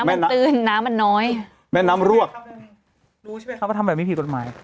แม่น้ำตื้นน้ำมันน้อยแม่น้ำรวกรู้ใช่ไหมครับว่าทำแบบนี้ผิดกฎหมาย